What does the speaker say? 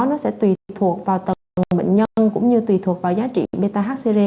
nó sẽ tùy thuộc vào tầng bệnh nhân cũng như tùy thuộc vào giá trị beta hcre